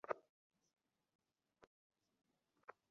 এটা শুনেই যেন থেমে যাওয়া গুজবের সেই চরকা আবারও ঘুরতে শুরু করেছে।